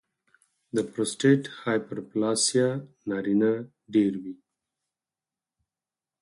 د پروسټیټ هایپرپلاسیا نارینه ډېروي.